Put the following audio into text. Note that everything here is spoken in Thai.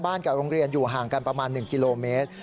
กับโรงเรียนอยู่ห่างกันประมาณ๑กิโลเมตร